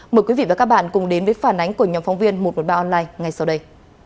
mời quý vị và các bạn cùng đến với phản ánh của nhóm phóng viên một trăm một mươi ba online ngay sau đây